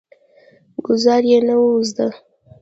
ګوزارا یې نه وه زده.